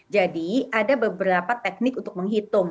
jadi ada beberapa teknik untuk menghitung